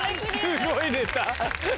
すごいネタ。